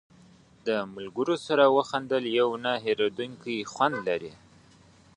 د ملګرو سره وخندل یو نه هېرېدونکی خوند لري.